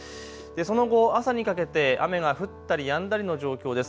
その後、朝にかけて雨が降ったりやんだりの状況です。